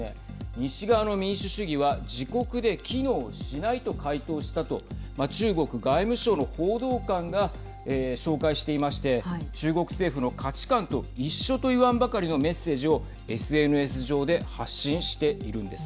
西側の民主主義は自国で機能しないと回答したと中国外務省の報道官が紹介していまして中国政府の価値観と一緒と言わんばかりのメッセージをＳＮＳ上で発信しているんです。